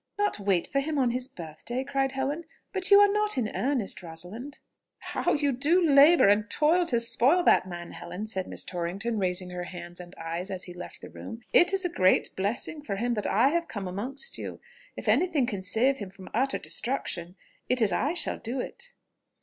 "Not wait for him on his birthday!" cried Helen. "But you are not in earnest, Rosalind?" "How you do labour and toil to spoil that man, Helen!" said Miss Torrington, raising her hands and eyes as he left the room. "It is a great blessing for him that I have come amongst you! If any thing can save him from utter destruction, it is I shall do it."